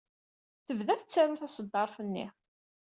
Tebda tettaru taṣeddart-nni.